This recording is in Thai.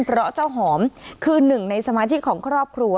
เพราะเจ้าหอมคือหนึ่งในสมาชิกของครอบครัว